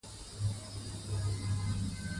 چي د اسلام په سیاسی نظام کی د دولت وظيفي.